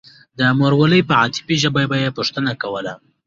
د مورولۍ په عاطفي ژبه به يې پوښتنه کوله.